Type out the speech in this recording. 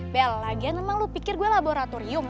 bel lagian memang lu pikir gue laboratorium